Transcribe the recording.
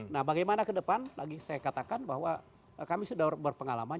nah bagaimana ke depan lagi saya katakan bahwa kami sudah berpengalaman